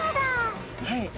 はい。